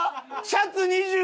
シャツの２４。